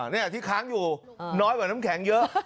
นี่ที่ค้างอยู่น้อยกว่าน้ำแข็งเยอะ